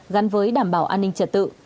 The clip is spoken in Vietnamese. gắn với đảm bảo an ninh trật tự